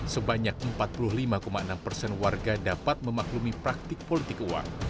sebanyak empat puluh lima enam persen warga dapat memaklumi praktik politik uang